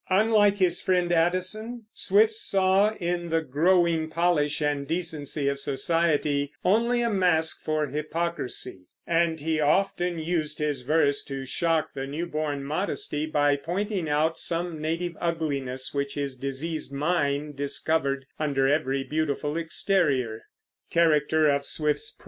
Unlike his friend Addison, Swift saw, in the growing polish and decency of society, only a mask for hypocrisy; and he often used his verse to shock the new born modesty by pointing out some native ugliness which his diseased mind discovered under every beautiful exterior.